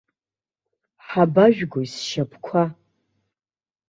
Ҳабажәгои, сшьапқәа?